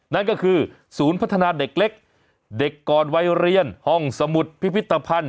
นั่นก็คือศูนย์พัฒนาเด็กเล็กเด็กก่อนวัยเรียนห้องสมุดพิพิธภัณฑ์